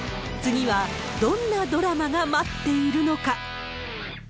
次はどんなドラマが待っているのか。